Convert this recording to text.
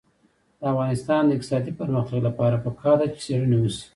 د افغانستان د اقتصادي پرمختګ لپاره پکار ده چې څېړنې وشي.